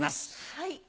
はい。